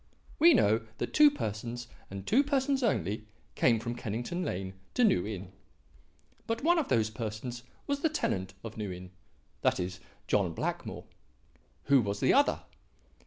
"We know that two persons, and two persons only, came from Kennington Lane to New Inn. But one of those persons was the tenant of New Inn that is, John Blackmore. Who was the other?